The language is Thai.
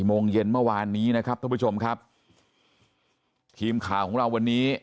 โมงเย็นเมื่อวานนี้นะครับท่านผู้ชมครับทีมข่าวของเราวันนี้